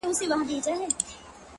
ستا له غزلونو زړه روغ پاته نه دی-